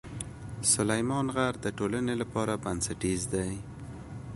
سلیمان غر د ټولنې لپاره بنسټیز دی.